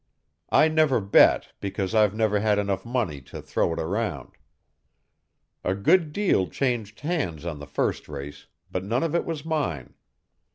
I never bet, because I've never had enough money to throw it around. A good deal changed hands on the first race, but none of it was mine.